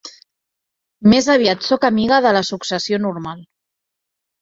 Més aviat sóc amiga de la successió normal